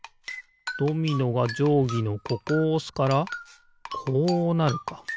ドミノがじょうぎのここをおすからこうなるか。